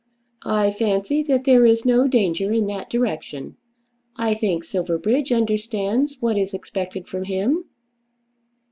"I fancy that there is no danger in that direction. I think Silverbridge understands what is expected from him."